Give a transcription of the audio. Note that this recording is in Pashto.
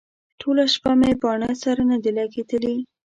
ټوله شپه مې باڼه سره نه دي لګېدلي.